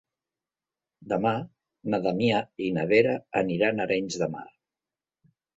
Demà na Damià i na Vera aniran a Arenys de Mar.